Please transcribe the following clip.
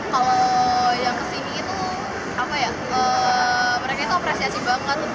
kalau yang kesini itu apa ya mereka itu apresiasi banget